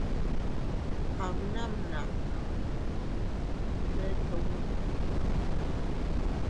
Abbnamnaʼa ndettu.